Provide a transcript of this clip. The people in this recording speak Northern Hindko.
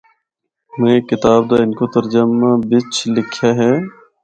میں کتاب دا ہندکو ترجمے بچ لکھیا ہے۔